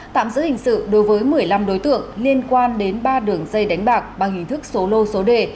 tạm giữ hình sự đối với một mươi năm đối tượng liên quan đến ba đường dây đánh bạc bằng hình thức số lô số đề